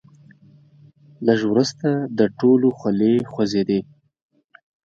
لږ وروسته د ټولو خولې خوځېدې.